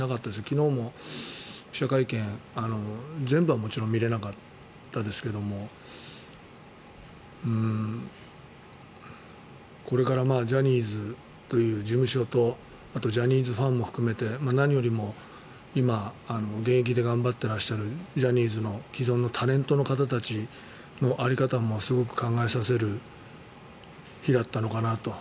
昨日も記者会見、全部はもちろん見れなかったですけどもこれからジャニーズという事務所とあとはジャニーズファンも含めて何よりも今、現役で頑張っていらっしゃるジャニーズの既存のタレントの方たちの在り方もすごく考えさせる日だったのかなと。